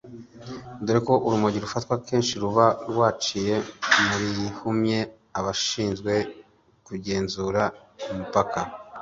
dore ko urumogi rufatwa kenshi ruba rwaciye mu rihumye abashinzwe kugenzura umupaka